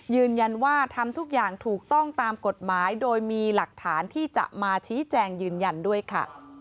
ยืนยันว่าทำทุกอย่างถูกต้องตามกฎหมายโดยมีหลักฐานที่จะมาชี้แจงยืนยันด้วยค่ะ